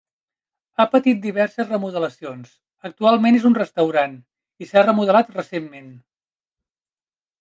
Ha patit diverses remodelacions, actualment és un restaurant i s'ha remodelat recentment.